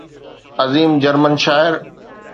عظيم جرمن شاعر